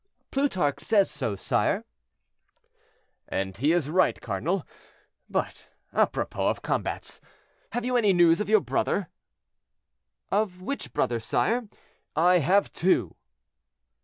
"Plutarch says so, sire." "And he is right, cardinal. But apropos of combats, have you any news of your brother?" "Of which brother, sire? I have two."